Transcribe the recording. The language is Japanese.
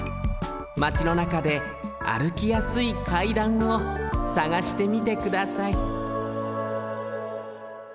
マチのなかであるきやすい階段をさがしてみてください